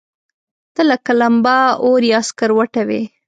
ته لکه لمبه، اور يا سکروټه وې